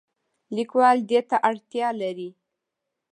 لیکوال دې ته اړتیا لري.